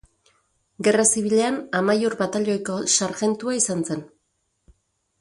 Gerra Zibilean Amaiur Batailoiko sarjentua izan zen.